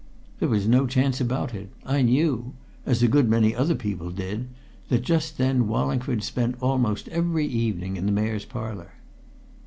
"There was no chance about it. I knew as a good many other people did that just then Wallingford spent almost every evening in the Mayor's Parlour."